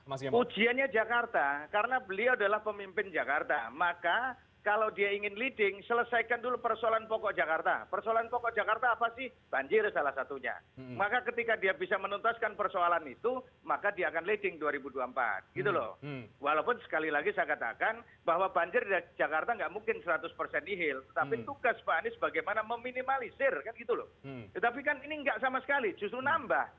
apa yang sudah dikerjakan pemerintahan sebelumnya justru nambah